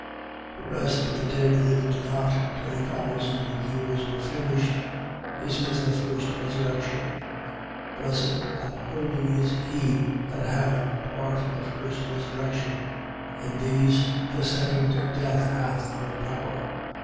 20:5. The rest of the dead lived not, till the thousand years were finished. This is the first resurrection. 20:6. Blessed and holy is he that hath part in the first resurrection. In these the second death hath no power.